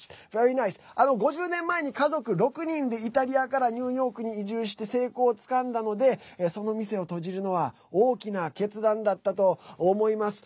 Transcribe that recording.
５０年前に家族６人でイタリアからニューヨークに移住して成功をつかんだのでその店を閉じるのは大きな決断だったと思います。